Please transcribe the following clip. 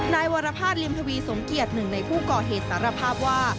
นายวรภาษริมทวีสมเกียจหนึ่งในผู้ก่อเหตุสารภาพว่า